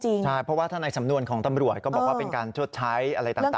ใช่เพราะว่าถ้าในสำนวนของตำรวจก็บอกว่าเป็นการชดใช้อะไรต่าง